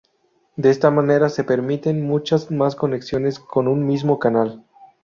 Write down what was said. De esta manera se permiten muchas más conexiones en un mismo canal.